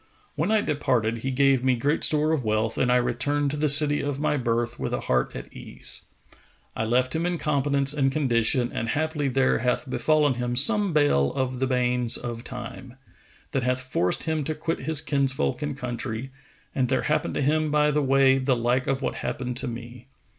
When I departed, he gave me great store of wealth and I returned to the city of my birth with a heart at ease. I left him in competence and condition, and haply there hath befallen him some bale of the banes of Time, that hath forced him to quit his kinsfolk and country, and there happened to him by the way the like of what happened to me.